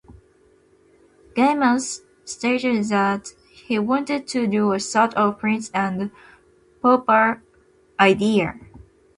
Gaiman stated that he wanted to do a sort of Prince and Pauper idea.